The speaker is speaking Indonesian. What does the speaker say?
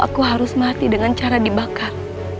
aku harus mati dengan cara dibakar